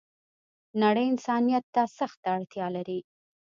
نړۍ انسانيت ته سخته اړتیا لری